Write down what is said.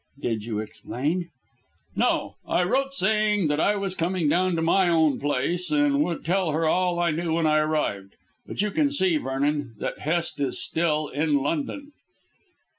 "Did you explain?" "No. I wrote saying that I was coming down to my own place, and would tell her all I knew when I arrived. But you can see, Vernon, that Hest is still in London."